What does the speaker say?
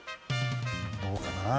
どうかな？